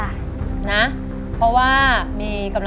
ทั้งในเรื่องของการทำงานเคยทำนานแล้วเกิดปัญหาน้อย